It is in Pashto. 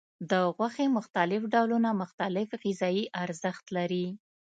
د غوښې مختلف ډولونه مختلف غذایي ارزښت لري.